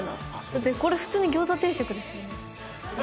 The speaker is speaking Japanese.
だってこれ普通に餃子定食ですよね。